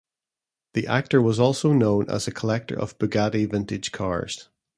The actor was also known as a collector of Bugatti vintage cars.